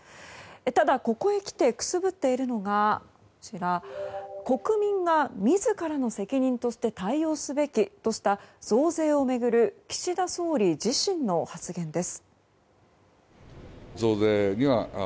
ただ、ここへきてくすぶっているのが国民が自らの責任として対応すべきとした増税を巡る岸田総理自身の発言です。